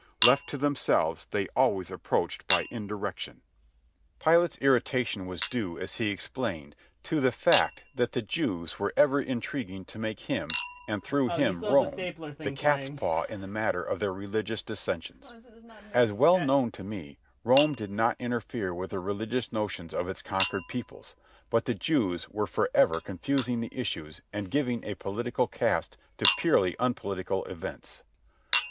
Left to themselves, they always approached by indirection. Pilate's irritation was due, as he explained, to the fact that the Jews were ever intriguing to make him, and through him Rome, the catspaw in the matter of their religious dissensions. As was well known to me, Rome did not interfere with the religious notions of its conquered peoples; but the Jews were for ever confusing the issues and giving a political cast to purely unpolitical events.